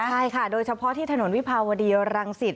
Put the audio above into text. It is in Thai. ใช่ค่ะโดยเฉพาะที่ถนนวิภาวดีรังสิต